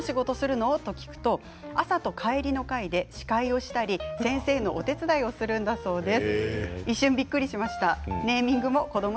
何の仕事をするの？と聞くと朝と帰りの会で司会をしたり先生のお手伝いをするんだそうです。